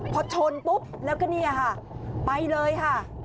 พอชนปุ๊บแล้วก็เนี่ยค่ะไปเลยค่ะ